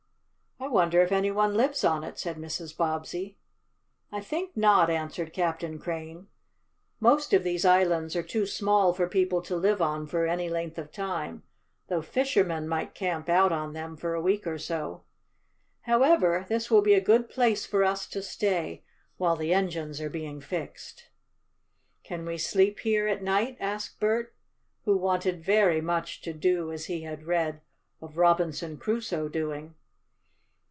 "I wonder if any one lives on it," said Mrs. Bobbsey. "I think not," answered Captain Crane. "Most of these islands are too small for people to live on for any length of time, though fishermen might camp out on them for a week or so. However, this will be a good place for us to stay while the engines are being fixed." "Can we sleep here at night?" asked Bert, who wanted very much to do as he had read of Robinson Crusoe doing.